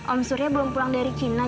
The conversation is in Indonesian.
om surya belum pulang dari china